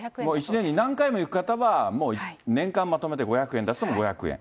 １年に何回も行く方はもう年間まとめて５００円出せば５００円。